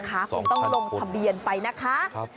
คุณต้องลงทะเบียนไปนะคะ